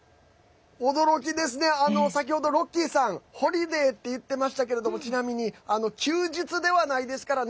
先ほどロッキーさんホリデーって言ってましたけどちなみに休日ではないですからね。